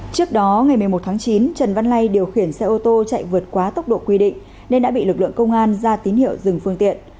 trước đó ngày một mươi một tháng chín trần văn lay điều khiển xe ô tô chạy vượt quá tốc độ quy định nên đã bị lực lượng công an ra tín hiệu dừng phương tiện